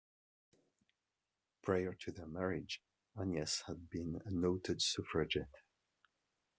Prior to their marriage, Agnes had been a noted Suffragette.